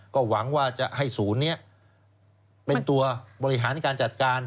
ก็หวังว่าจะให้ศูนย์นี้เป็นตัวบริหารการจัดการ